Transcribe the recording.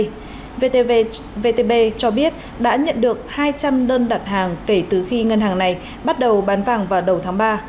vnptv vtb cho biết đã nhận được hai trăm linh đơn đặt hàng kể từ khi ngân hàng này bắt đầu bán vàng vào đầu tháng ba